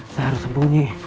saya harus sembunyi